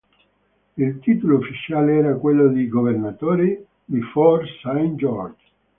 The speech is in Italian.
Il titolo ufficiale era quello di "Governatore di Fort St. George".